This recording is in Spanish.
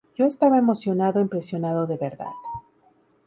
Yo estaba emocionado e impresionado de verdad.